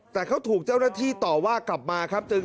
แต่เขาถูกเจ้าหน้าที่ต่อว่ากลับมาครับ